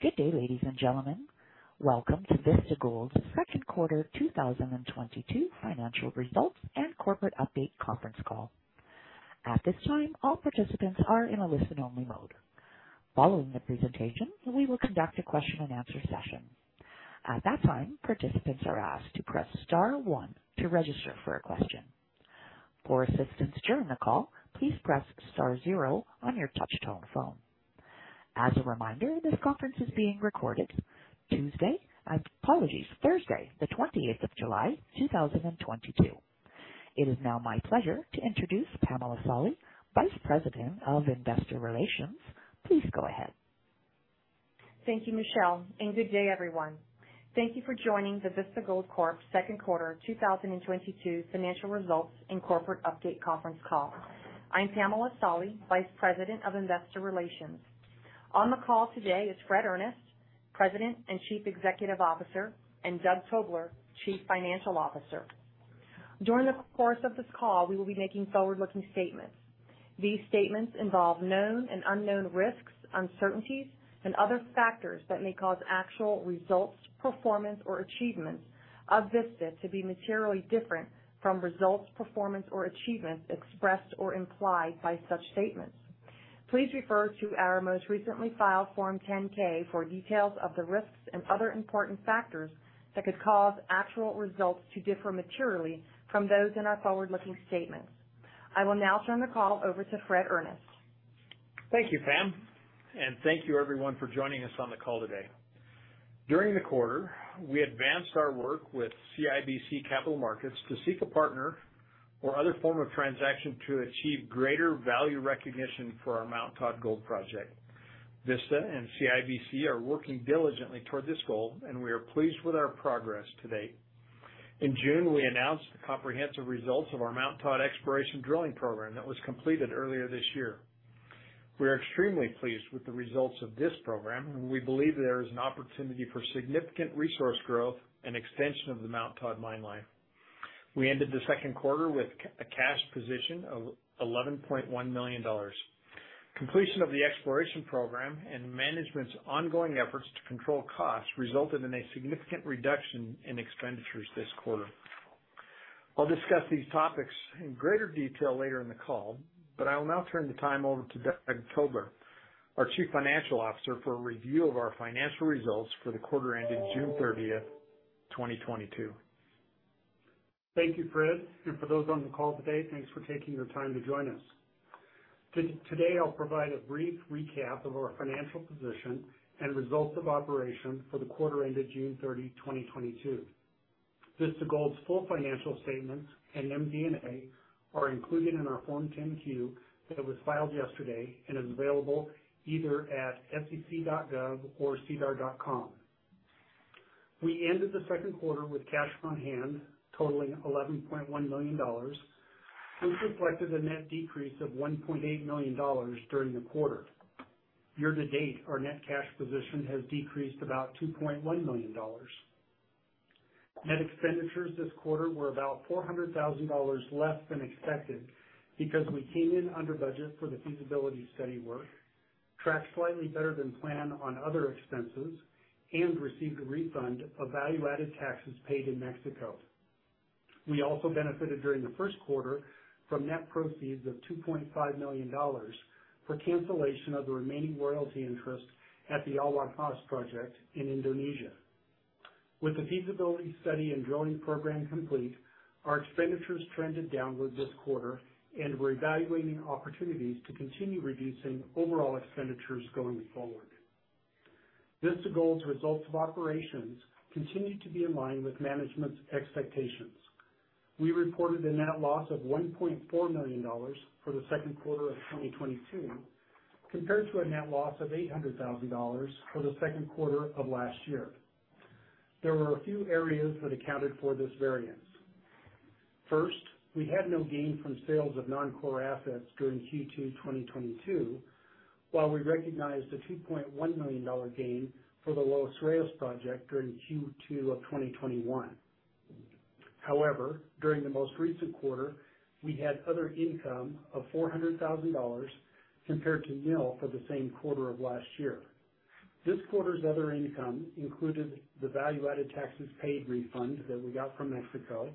Good day, ladies and gentlemen. Welcome to Vista Gold's second quarter 2022 financial results and corporate update conference call. At this time, all participants are in a listen-only mode. Following the presentation, we will conduct a question-and-answer session. At that time, participants are asked to press star one to register for a question. For assistance during the call, please press star zero on your touch-tone phone. As a reminder, this conference is being recorded Thursday, the 20th of July 2022. It is now my pleasure to introduce Pamela Solly, Vice President of Investor Relations. Please go ahead. Thank you, Michelle, and good day, everyone. Thank you for joining the Vista Gold Corp second quarter 2022 financial results and corporate update conference call. I'm Pamela Solly, Vice President of Investor Relations. On the call today is Fred Earnest, President and Chief Executive Officer, and Doug Tobler, Chief Financial Officer. During the course of this call, we will be making forward-looking statements. These statements involve known and unknown risks, uncertainties, and other factors that may cause actual results, performance, or achievements of Vista to be materially different from results, performance, or achievements expressed or implied by such statements. Please refer to our most recently filed Form 10-K for details of the risks and other important factors that could cause actual results to differ materially from those in our forward-looking statements. I will now turn the call over to Fred Earnest. Thank you, Pam, and thank you everyone for joining us on the call today. During the quarter, we advanced our work with CIBC Capital Markets to seek a partner or other form of transaction to achieve greater value recognition for our Mt Todd gold project. Vista and CIBC are working diligently toward this goal, and we are pleased with our progress to date. In June, we announced the comprehensive results of our Mt Todd exploration drilling program that was completed earlier this year. We are extremely pleased with the results of this program, and we believe there is an opportunity for significant resource growth and extension of the Mt Todd mine life. We ended the second quarter with a cash position of $11.1 million. Completion of the exploration program and management's ongoing efforts to control costs resulted in a significant reduction in expenditures this quarter. I'll discuss these topics in greater detail later in the call, but I will now turn the time over to Doug Tobler, our Chief Financial Officer, for a review of our financial results for the quarter ending June 30, 2022. Thank you, Fred. For those on the call today, thanks for taking the time to join us. Today, I'll provide a brief recap of our financial position and results of operations for the quarter ended June 30, 2022. Vista Gold's full financial statements and MD&A are included in our Form 10-Q that was filed yesterday and is available either at sec.gov or sedar.com. We ended the second quarter with cash on hand totaling $11.1 million, which reflected a net decrease of $1.8 million during the quarter. Year-to-date, our net cash position has decreased about $2.1 million. Net expenditures this quarter were about $400,000 less than expected because we came in under budget for the feasibility study work, tracked slightly better than planned on other expenses, and received a refund of value-added taxes paid in Mexico. We also benefited during the first quarter from net proceeds of $2.5 million for cancellation of the remaining royalty interest at the Awak Mas project in Indonesia. With the feasibility study and drilling program complete, our expenditures trended downward this quarter and we're evaluating opportunities to continue reducing overall expenditures going forward. Vista Gold's results of operations continued to be in line with management's expectations. We reported a net loss of $1.4 million for the second quarter of 2022, compared to a net loss of $800,000 for the second quarter of last year. There were a few areas that accounted for this variance. First, we had no gain from sales of non-core assets during Q2 2022, while we recognized a $2.1 million gain for the Los Reyes project during Q2 of 2021. However, during the most recent quarter, we had other income of $400,000 compared to nil for the same quarter of last year. This quarter's other income included the value-added taxes paid refund that we got from Mexico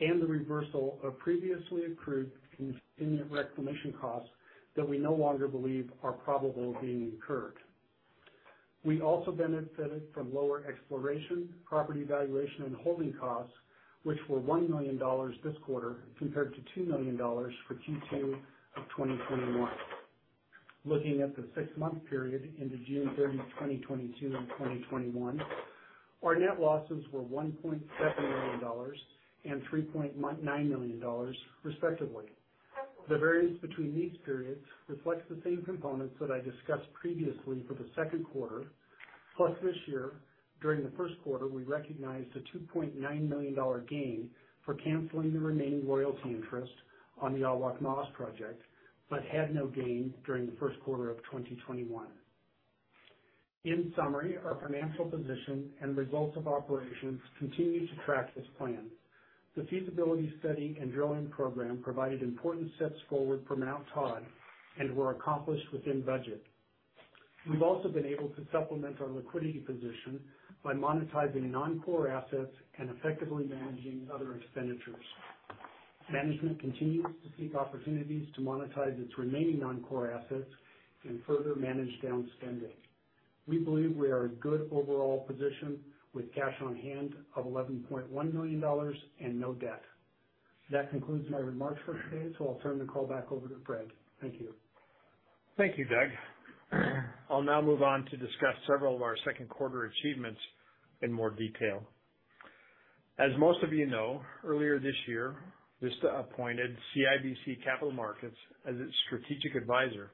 and the reversal of previously accrued contingent reclamation costs that we no longer believe are probable of being incurred. We also benefited from lower exploration, property valuation, and holding costs, which were $1 million this quarter compared to $2 million for Q2 of 2021. Looking at the six-month period ended June 30, 2022 and 2021, our net losses were $1.7 million and $3.9 million, respectively. The variance between these periods reflects the same components that I discussed previously for the second quarter, plus this year, during the first quarter, we recognized a $2.9 million gain for canceling the remaining royalty interest on the Awak Mas project, but had no gain during the first quarter of 2021. In summary, our financial position and results of operations continue to track this plan. The feasibility study and drilling program provided important steps forward for Mt Todd and were accomplished within budget. We've also been able to supplement our liquidity position by monetizing non-core assets and effectively managing other expenditures. Management continues to seek opportunities to monetize its remaining non-core assets and further manage down spending. We believe we are in good overall position with cash on hand of $11.1 million and no debt. That concludes my remarks for today, so I'll turn the call back over to Fred. Thank you. Thank you, Doug. I'll now move on to discuss several of our second quarter achievements in more detail. As most of you know, earlier this year, Vista appointed CIBC Capital Markets as its strategic advisor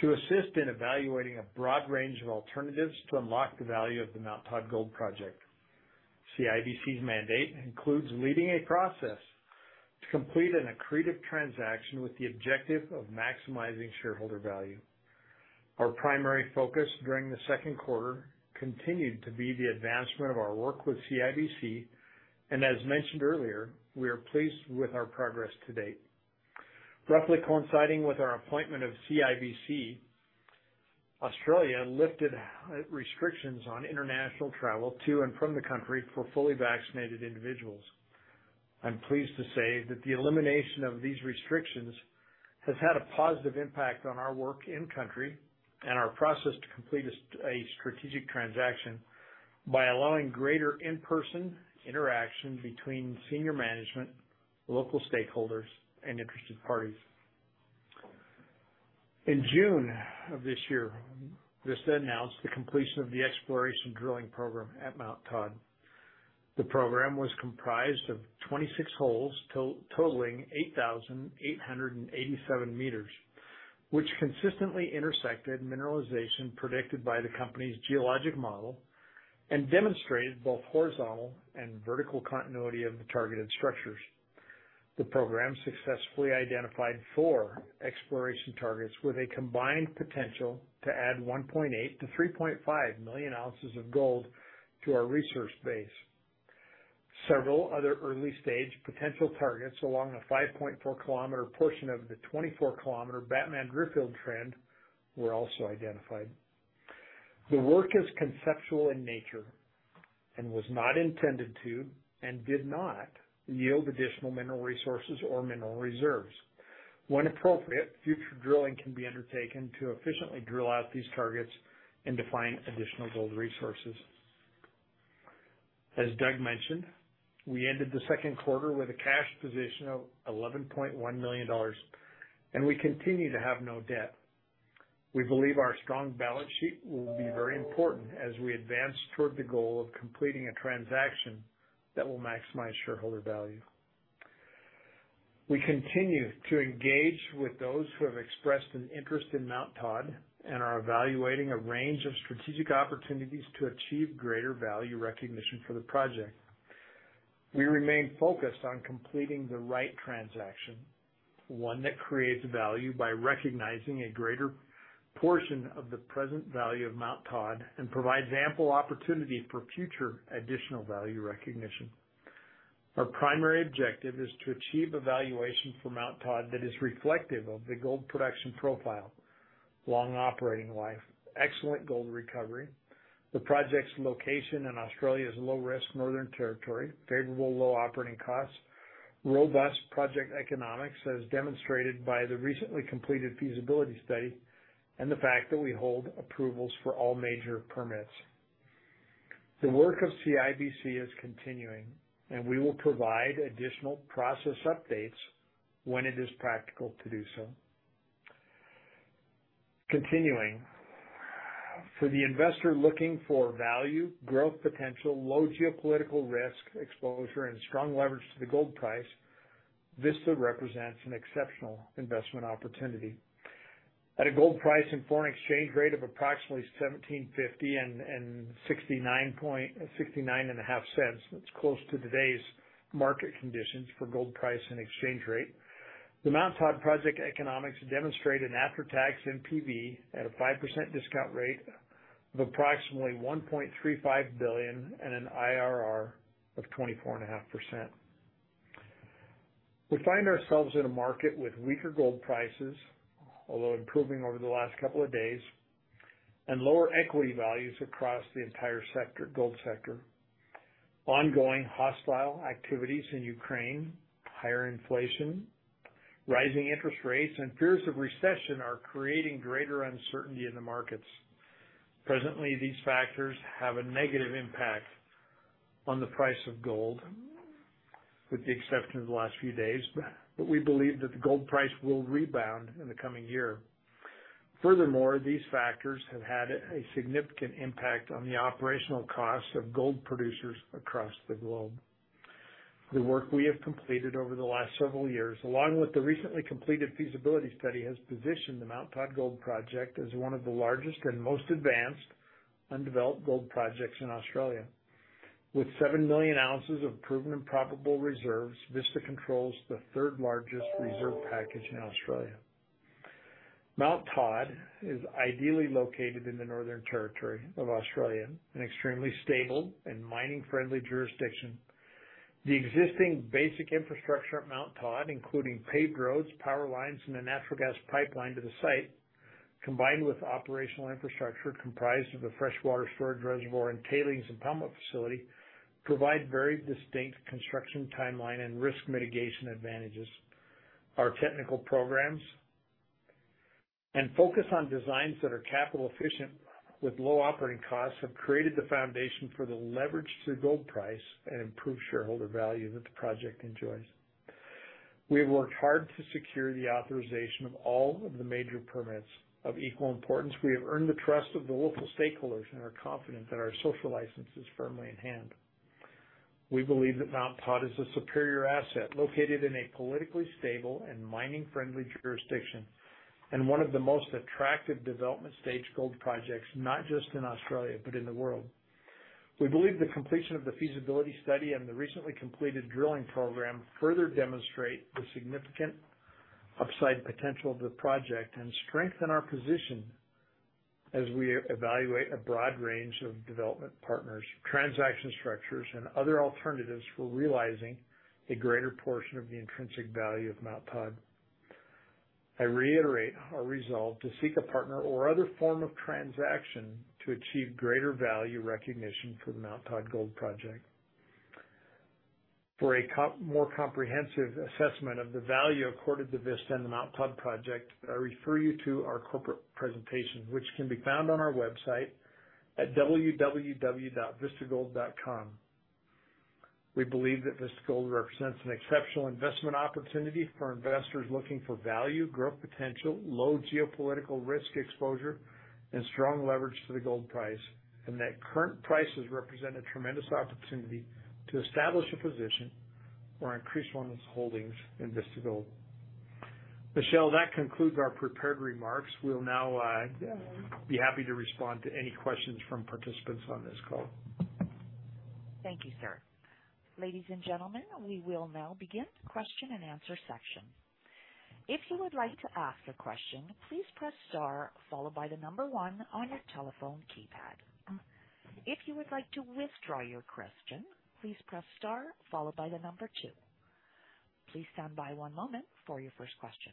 to assist in evaluating a broad range of alternatives to unlock the value of the Mount Todd Gold Project. CIBC's mandate includes leading a process to complete an accretive transaction with the objective of maximizing shareholder value. Our primary focus during the second quarter continued to be the advancement of our work with CIBC, and as mentioned earlier, we are pleased with our progress to date. Roughly coinciding with our appointment of CIBC, Australia lifted restrictions on international travel to and from the country for fully vaccinated individuals. I'm pleased to say that the elimination of these restrictions has had a positive impact on our work in country and our process to complete a strategic transaction by allowing greater in-person interaction between senior management, local stakeholders, and interested parties. In June of this year, Vista announced the completion of the exploration drilling program at Mount Todd. The program was comprised of 26 holes totaling 8,887 m, which consistently intersected mineralization predicted by the company's geologic model and demonstrated both horizontal and vertical continuity of the targeted structures. The program successfully identified four exploration targets with a combined potential to add 1.8 million-3.5 million ounces of gold to our resource base. Several other early-stage potential targets along a 5.4 km portion of the 24 km Batman-Driffield Trend were also identified. The work is conceptual in nature and was not intended to and did not yield additional mineral resources or mineral reserves. When appropriate, future drilling can be undertaken to efficiently drill out these targets and define additional gold resources. As Doug mentioned, we ended the second quarter with a cash position of $11.1 million, and we continue to have no debt. We believe our strong balance sheet will be very important as we advance toward the goal of completing a transaction that will maximize shareholder value. We continue to engage with those who have expressed an interest in Mt Todd and are evaluating a range of strategic opportunities to achieve greater value recognition for the project. We remain focused on completing the right transaction, one that creates value by recognizing a greater portion of the present value of Mount Todd and provides ample opportunity for future additional value recognition. Our primary objective is to achieve a valuation for Mount Todd that is reflective of the gold production profile, long operating life, excellent gold recovery, the project's location in Australia's low-risk Northern Territory, favorable low operating costs, robust project economics, as demonstrated by the recently completed feasibility study, and the fact that we hold approvals for all major permits. The work of CIBC is continuing, and we will provide additional process updates when it is practical to do so. Continuing, for the investor looking for value, growth, potential, low geopolitical risk exposure, and strong leverage to the gold price, Vista represents an exceptional investment opportunity. At a gold price and foreign exchange rate of approximately $1,750 and $0.695, that's close to today's market conditions for gold price and exchange rate, the Mount Todd project economics demonstrate an after-tax NPV at a 5% discount rate of approximately $1.35 billion and an IRR of 24.5%. We find ourselves in a market with weaker gold prices, although improving over the last couple of days, and lower equity values across the entire sector, gold sector. Ongoing hostile activities in Ukraine, higher inflation, rising interest rates, and fears of recession are creating greater uncertainty in the markets. Presently, these factors have a negative impact on the price of gold, with the exception of the last few days, but we believe that the gold price will rebound in the coming year. Furthermore, these factors have had a significant impact on the operational costs of gold producers across the globe. The work we have completed over the last several years, along with the recently completed feasibility study, has positioned the Mt Todd Gold Project as one of the largest and most advanced undeveloped gold projects in Australia. With 7 million ounces of proven and probable reserves, Vista controls the third-largest reserve package in Australia. Mt Todd is ideally located in the Northern Territory of Australia, an extremely stable and mining friendly jurisdiction. The existing basic infrastructure at Mt Todd, including paved roads, power lines, and a natural gas pipeline to the site, combined with operational infrastructure comprised of the freshwater storage reservoir and tailings impoundment facility, provide very distinct construction timeline and risk mitigation advantages. Our technical programs and focus on designs that are capital efficient with low operating costs have created the foundation for the leverage to gold price and improved shareholder value that the project enjoys. We have worked hard to secure the authorization of all of the major permits. Of equal importance, we have earned the trust of the local stakeholders and are confident that our social license is firmly in hand. We believe that Mt Todd is a superior asset located in a politically stable and mining friendly jurisdiction and one of the most attractive development stage gold projects, not just in Australia but in the world. We believe the completion of the feasibility study and the recently completed drilling program further demonstrate the significant upside potential of the project and strengthen our position as we evaluate a broad range of development partners, transaction structures and other alternatives for realizing a greater portion of the intrinsic value of Mount Todd. I reiterate our resolve to seek a partner or other form of transaction to achieve greater value recognition for the Mount Todd Gold Project. For a more comprehensive assessment of the value accorded to Vista and the Mount Todd project, I refer you to our corporate presentation, which can be found on our website at www.vistagold.com. We believe that Vista Gold represents an exceptional investment opportunity for investors looking for value, growth potential, low geopolitical risk exposure, and strong leverage to the gold price, and that current prices represent a tremendous opportunity to establish a position or increase one's holdings in Vista Gold. Michelle, that concludes our prepared remarks. We'll now be happy to respond to any questions from participants on this call. Thank you, sir. Ladies and gentlemen, we will now begin the question and answer section. If you would like to ask a question, please press star followed by the number one on your telephone keypad. If you would like to withdraw your question, please press star followed by the number two. Please stand by one moment for your first question.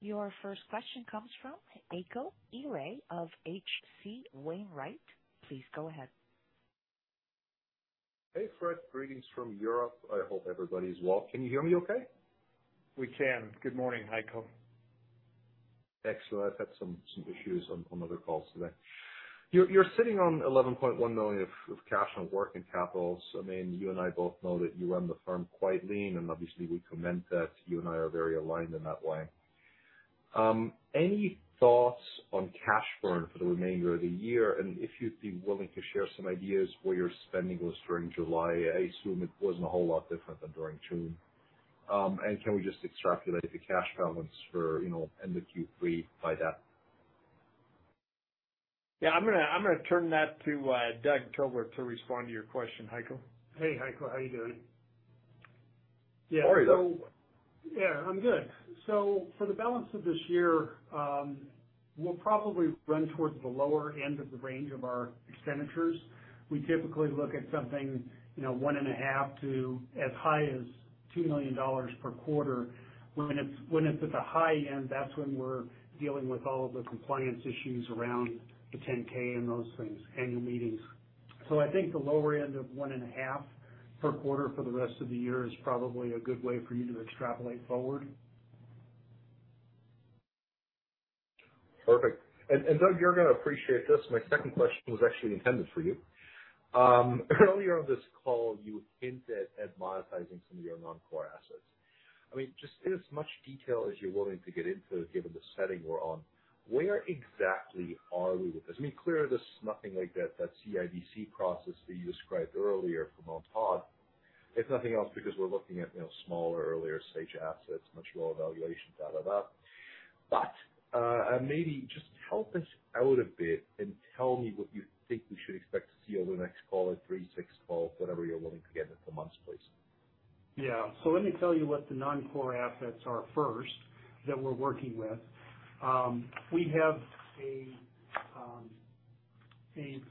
Your first question comes from Heiko Ihle of H.C. Wainwright. Please go ahead. Hey, Fred. Greetings from Europe. I hope everybody is well. Can you hear me okay? We can. Good morning, Heiko. Excellent. I've had some issues on other calls today. You're sitting on $11.1 million of cash and working capital. I mean, you and I both know that you run the firm quite lean, and obviously we commend that. You and I are very aligned in that way. Any thoughts on cash burn for the remainder of the year? If you'd be willing to share some ideas where your spending was during July. I assume it wasn't a whole lot different than during June. Can we just extrapolate the cash balance for, you know, end of Q3 by that? Yeah, I'm gonna turn that to Doug Tobler to respond to your question, Heiko. Hey, Heiko. How are you doing? Yeah. Sorry about that. Yeah, I'm good. For the balance of this year, we'll probably run towards the lower end of the range of our expenditures. We typically look at something, you know, $1.5-$2 million per quarter. When it's at the high end, that's when we're dealing with all of the compliance issues around the 10-K and those things, annual meetings. I think the lower end of $1.5 million per quarter for the rest of the year is probably a good way for you to extrapolate forward. Perfect. Doug, you're gonna appreciate this. My second question was actually intended for you. Earlier on this call, you hinted at monetizing some of your non-core assets. I mean, just in as much detail as you're willing to get into given the setting we're on, where exactly are we with this? I mean, clearly there's nothing like that CIBC process that you described earlier for Mt Todd. If nothing else, because we're looking at, you know, smaller, earlier stage assets, much lower valuations, DA, DA. Maybe just help us out a bit and tell me what you think we should expect to see over the next call it three, six months, whatever you're willing to give in the months please. Yeah. Let me tell you what the non-core assets are first that we're working with. We have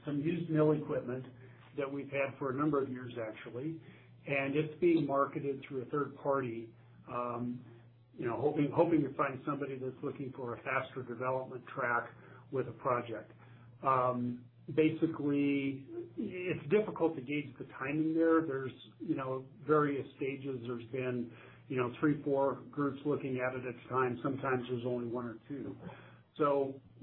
some used mill equipment that we've had for a number of years actually, and it's being marketed through a third party, you know, hoping to find somebody that's looking for a faster development track with a project. Basically it's difficult to gauge the timing there. There's you know, various stages. There's been you know, three, four groups looking at it at a time. Sometimes there's only one or two.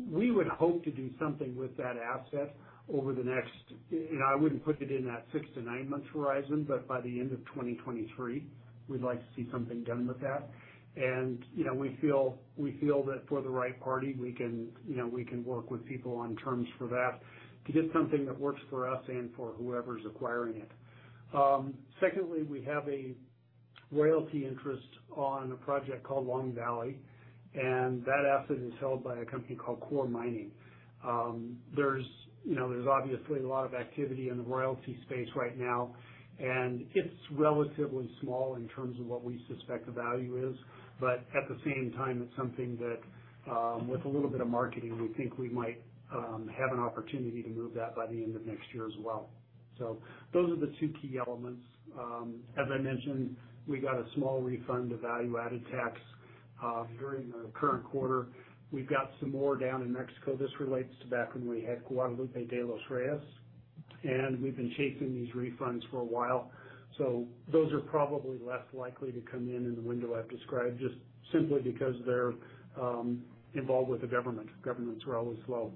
We would hope to do something with that asset over the next. You know, I wouldn't put it in that six to nine months horizon, but by the end of 2023, we'd like to see something done with that. you know, we feel that for the right party, we can, you know, we can work with people on terms for that to get something that works for us and for whoever's acquiring it. Secondly, we have a- Royalty interest on a project called Long Valley, and that asset is held by a company called KORE Mining. There's, you know, there's obviously a lot of activity in the royalty space right now, and it's relatively small in terms of what we suspect the value is. At the same time, it's something that, with a little bit of marketing, we think we might have an opportunity to move that by the end of next year as well. Those are the two key elements. As I mentioned, we got a small refund of value-added tax during the current quarter. We've got some more down in Mexico. This relates to back when we had Guadalupe de los Reyes, and we've been chasing these refunds for a while. Those are probably less likely to come in the window I've described, just simply because they're involved with the government. Governments are always slow.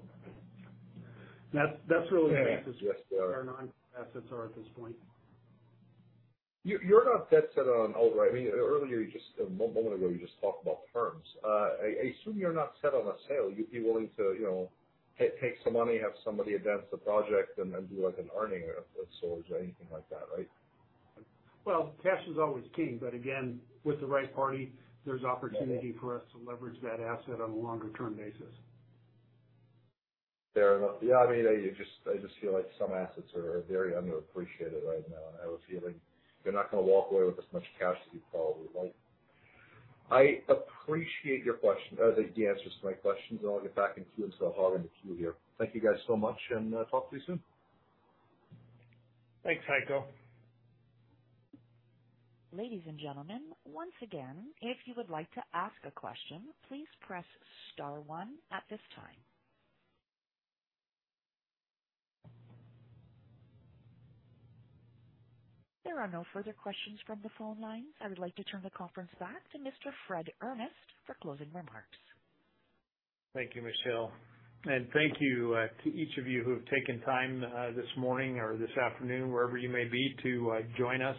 That's really where our non-assets are at this point. You're not dead set on outright. I mean, a moment ago, you just talked about terms. I assume you're not set on a sale. You'd be willing to, you know, take some money, have somebody advance the project and then do like an earning of it or anything like that, right? Well, cash is always king, but again, with the right party, there's opportunity for us to leverage that asset on a longer term basis. Fair enough. Yeah, I mean, I just feel like some assets are very underappreciated right now, and I have a feeling you're not gonna walk away with as much cash as you'd probably like. I appreciate your question, the answers to my questions, and I'll get back into the queue here. Thank you guys so much, and talk to you soon. Thanks, Heiko. Ladies and gentlemen, once again, if you would like to ask a question, please press star one at this time. There are no further questions from the phone lines. I would like to turn the conference back to Mr. Fred Earnest for closing remarks. Thank you, Michelle. Thank you to each of you who have taken time this morning or this afternoon, wherever you may be, to join us.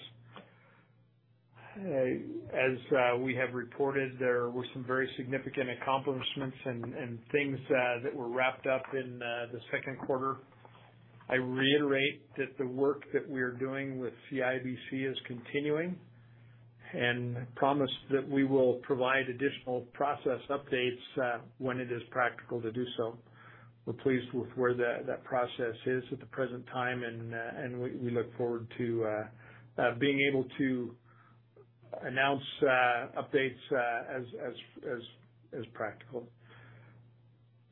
As we have reported, there were some very significant accomplishments and things that were wrapped up in the second quarter. I reiterate that the work that we're doing with CIBC is continuing, and I promise that we will provide additional process updates when it is practical to do so. We're pleased with where that process is at the present time, and we look forward to being able to announce updates as practical.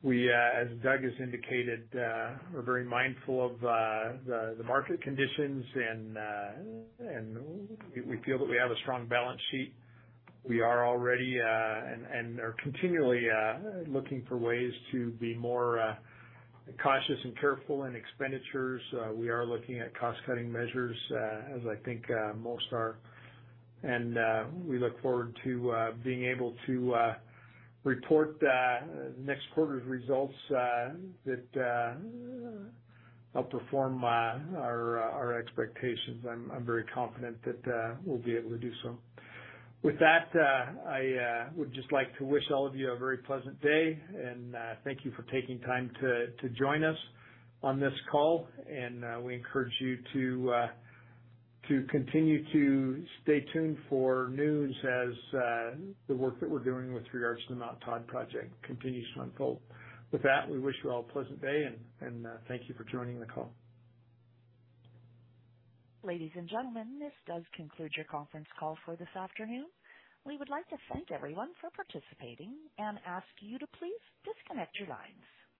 As Doug has indicated, we're very mindful of the market conditions and we feel that we have a strong balance sheet. We are already and are continually looking for ways to be more cautious and careful in expenditures. We are looking at cost-cutting measures, as I think, most are. We look forward to being able to report next quarter's results that outperform our expectations. I'm very confident that we'll be able to do so. With that, I would just like to wish all of you a very pleasant day, and thank you for taking time to join us on this call. We encourage you to continue to stay tuned for news as the work that we're doing with regards to the Mt Todd project continues to unfold. With that, we wish you all a pleasant day and thank you for joining the call. Ladies and gentlemen, this does conclude your conference call for this afternoon. We would like to thank everyone for participating and ask you to please disconnect your lines.